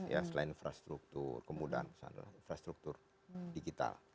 ya selain infrastruktur kemudahan infrastruktur digital